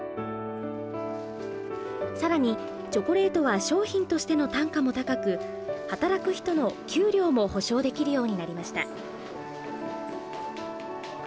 さらにチョコレートは商品としての単価も高く働く人の給料も保証できるようになりました。